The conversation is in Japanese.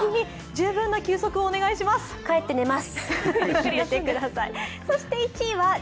帰って寝ます。